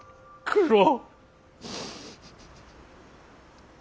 九郎！